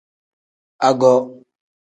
Ago.